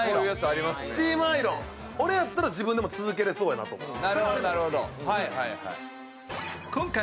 あれやったら自分で続けられそうやなって。